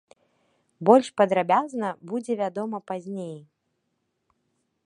Больш падрабязна будзе вядома пазней.